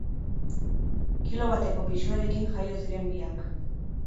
Kilo bateko pisuarekin jaio ziren biak.